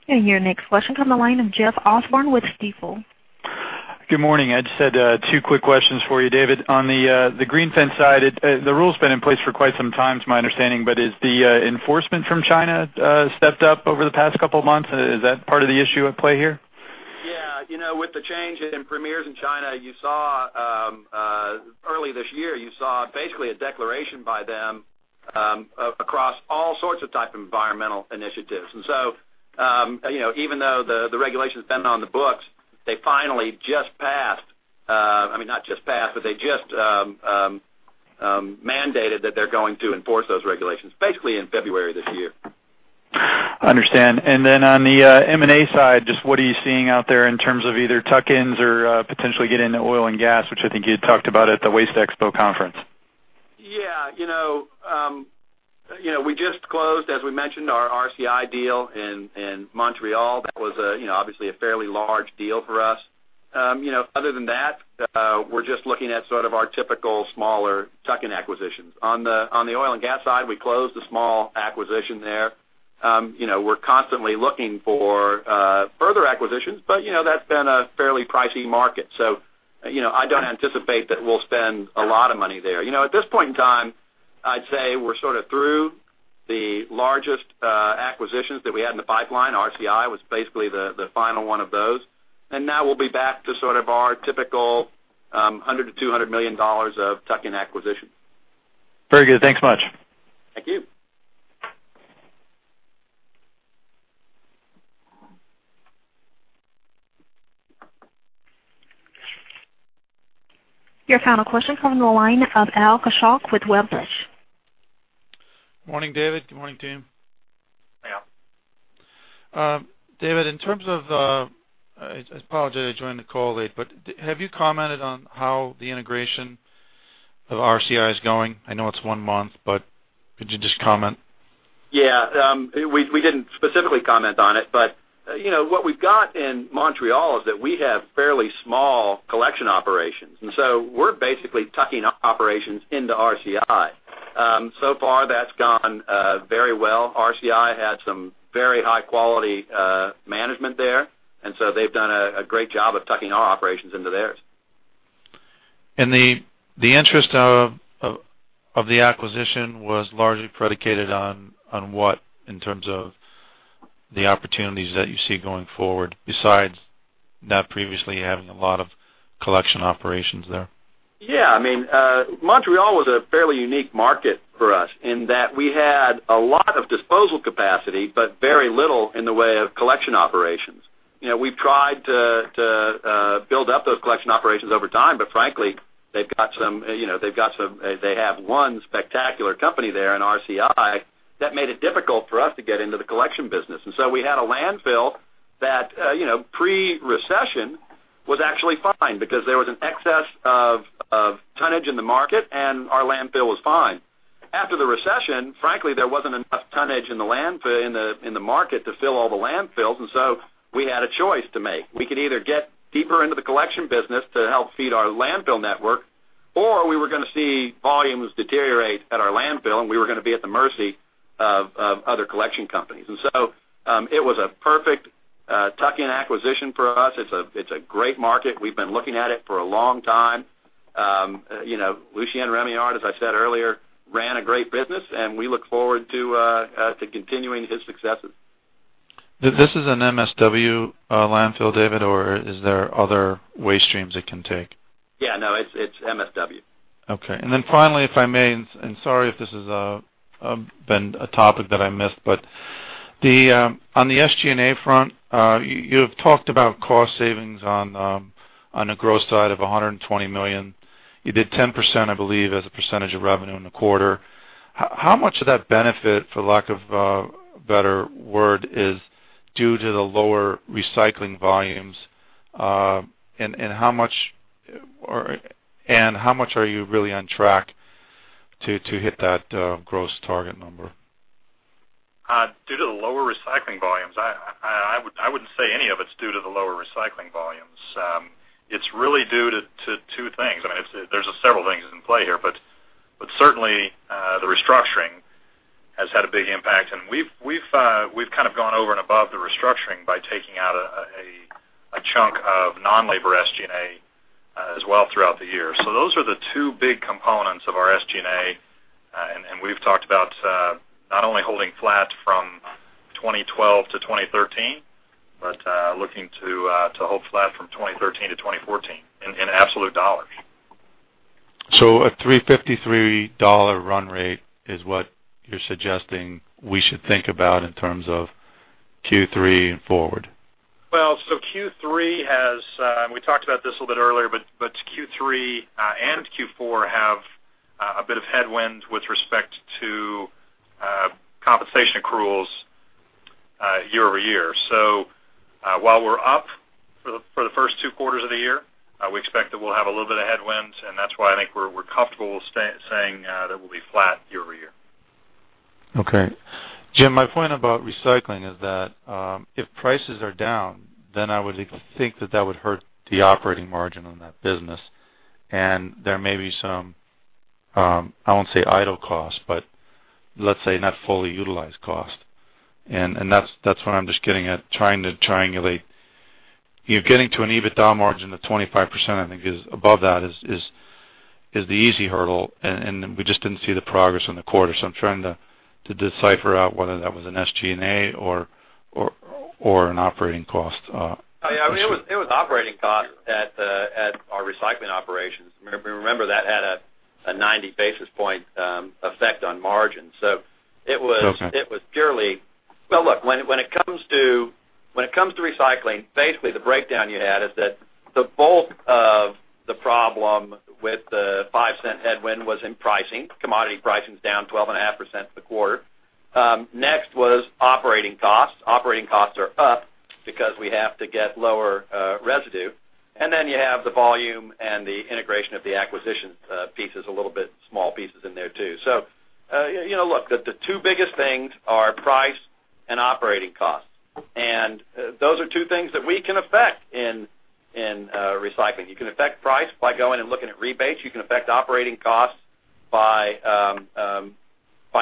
Your next question comes from the line of Jeff Osborne with Stifel. Good morning. I just had two quick questions for you, David. On the Green Fence side, the rule's been in place for quite some time, to my understanding, but has the enforcement from China stepped up over the past couple of months? Is that part of the issue at play here? Yeah. With the change in premiers in China, early this year, you saw basically a declaration by them across all sorts of type environmental initiatives. Even though the regulation's been on the books, they finally just passed, I mean, not just passed, but they just mandated that they're going to enforce those regulations, basically in February of this year. Understand. On the M&A side, just what are you seeing out there in terms of either tuck-ins or potentially getting into oil and gas, which I think you had talked about at the WasteExpo conference? Yeah. We just closed, as we mentioned, our RCI deal in Montreal. That was obviously a fairly large deal for us. Other than that, we're just looking at sort of our typical smaller tuck-in acquisitions. On the oil and gas side, we closed a small acquisition there. We're constantly looking for further acquisitions, but that's been a fairly pricey market. I don't anticipate that we'll spend a lot of money there. At this point in time, I'd say we're sort of through the largest acquisitions that we had in the pipeline. RCI was basically the final one of those. We'll be back to sort of our typical $100 million-$200 million of tuck-in acquisitions. Very good. Thanks much. Thank you. Your final question comes from the line of Al Kaschalk with Wedbush. Morning, David. Good morning, team. Al. David, in terms of I apologize, I joined the call late. Have you commented on how the integration of RCI is going? I know it's one month, could you just comment? Yeah. We didn't specifically comment on it. What we've got in Montreal is that we have fairly small collection operations, we're basically tucking operations into RCI. So far, that's gone very well. RCI had some very high-quality management there, they've done a great job of tucking our operations into theirs. The interest of the acquisition was largely predicated on what, in terms of the opportunities that you see going forward besides not previously having a lot of collection operations there? Yeah. Montreal was a fairly unique market for us in that we had a lot of disposal capacity, very little in the way of collection operations. We've tried to build up those collection operations over time, frankly, they have one spectacular company there in RCI that made it difficult for us to get into the collection business. We had a landfill that pre-recession was actually fine because there was an excess of tonnage in the market and our landfill was fine. After the recession, frankly, there wasn't enough tonnage in the market to fill all the landfills, we had a choice to make. We could either get deeper into the collection business to help feed our landfill network, or we were going to see volumes deteriorate at our landfill, and we were going to be at the mercy of other collection companies. It was a perfect tuck-in acquisition for us. It's a great market. We've been looking at it for a long time. Lucien Rémillard, as I said earlier, ran a great business and we look forward to continuing his successes. This is an MSW landfill, David, or is there other waste streams it can take? Yeah, no, it's MSW. Okay. Finally, if I may, and sorry if this has been a topic that I missed, but on the SG&A front, you have talked about cost savings on the gross side of $120 million. You did 10%, I believe, as a percentage of revenue in the quarter. How much of that benefit, for lack of a better word, is due to the lower recycling volumes? How much are you really on track to hit that gross target number? Due to the lower recycling volumes, I wouldn't say any of it's due to the lower recycling volumes. It's really due to two things. There's several things in play here, but certainly the restructuring has had a big impact. We've kind of gone over and above the restructuring by taking out a chunk of non-labor SG&A as well throughout the year. Those are the two big components of our SG&A, and we've talked about not only holding flat from 2012 to 2013, but looking to hold flat from 2013 to 2014 in absolute dollars. A $353 run rate is what you're suggesting we should think about in terms of Q3 and forward? Well, so Q3 has, and we talked about this a little bit earlier, but Q3 and Q4 have a bit of headwind with respect to compensation accruals year-over-year. While we're up for the first two quarters of the year, we expect that we'll have a little bit of headwinds, and that's why I think we're comfortable with saying that we'll be flat year-over-year. Okay. Jim, my point about recycling is that if prices are down, then I would think that that would hurt the operating margin on that business. There may be some, I won't say idle cost, but let's say not fully utilized cost. That's what I'm just getting at, trying to triangulate. You're getting to an EBITDA margin of 25%, I think above that is the easy hurdle, and we just didn't see the progress in the quarter. I'm trying to decipher out whether that was an SG&A or an operating cost issue. It was operating cost at our recycling operations. Remember, that had a 90 basis point effect on margin. Okay. Well look, when it comes to recycling, basically the breakdown you had is that the bulk of the problem with the $0.05 headwind was in pricing. Commodity pricing's down 12.5% for the quarter. Next was operating costs. Operating costs are up because we have to get lower residue. Then you have the volume and the integration of the acquisition pieces, a little bit small pieces in there, too. Look, the two biggest things are price and operating costs. Those are two things that we can affect in recycling. You can affect price by going and looking at rebates. You can affect operating costs by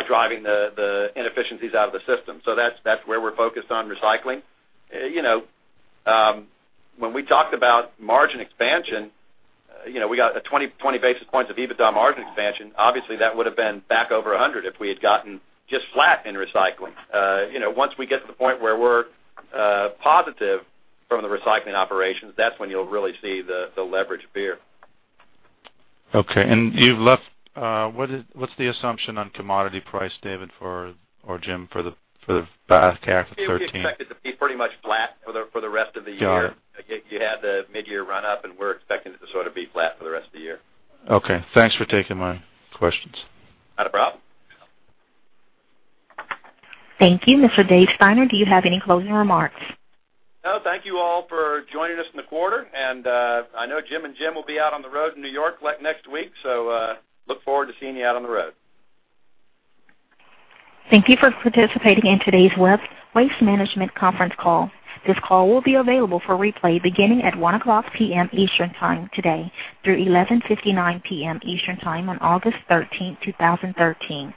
driving the inefficiencies out of the system. That's where we're focused on recycling. When we talked about margin expansion, we got 20 basis points of EBITDA margin expansion. Obviously, that would have been back over 100 if we had gotten just flat in recycling. Once we get to the point where we're positive from the recycling operations, that's when you'll really see the leverage appear. Okay. What's the assumption on commodity price, David or Jim, for the back half of 2013? We expect it to be pretty much flat for the rest of the year. Got it. You had the midyear run up, and we're expecting it to sort of be flat for the rest of the year. Okay. Thanks for taking my questions. Not a problem. Thank you. Mr. David Steiner, do you have any closing remarks? No, thank you all for joining us in the quarter. I know Jim and Jim will be out on the road in New York next week, look forward to seeing you out on the road. Thank you for participating in today's Waste Management conference call. This call will be available for replay beginning at 01:00 P.M. Eastern time today through 11:59 P.M. Eastern time on August 13th, 2013.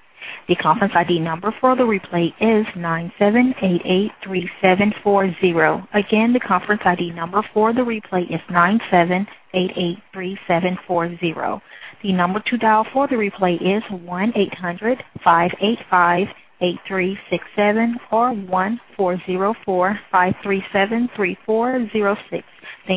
The conference ID number for the replay is 97883740. Again, the conference ID number for the replay is 97883740. The number to dial for the replay is 1-800-585-8367 or 1-404-537-3406.